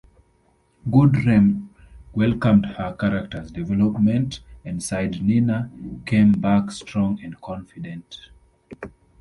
Goodrem welcomed her character's development and said Nina came back strong and confident.